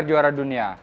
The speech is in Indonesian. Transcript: gelar juara dunia